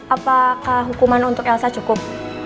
apakah hukuman untuk elsa cukup